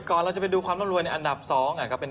ก่อนเราจะไปดูความร่วมรวยในอันดับ๒ก็เป็น